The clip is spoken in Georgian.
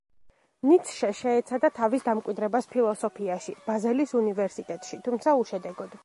ნიცშე შეეცადა თავის დამკვიდრებას ფილოსოფიაში, ბაზელის უნივერსიტეტში, თუმცა უშედეგოდ.